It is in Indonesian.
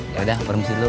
yaudah permisi dulu